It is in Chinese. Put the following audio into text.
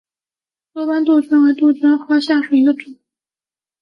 多斑杜鹃为杜鹃花科杜鹃属下的一个种。